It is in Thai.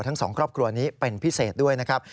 ทั้งสองครอบครัวนี้เป็นพิเศษด้วยนะครับ